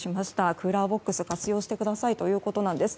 クーラーボックス活用してくださいとのことです。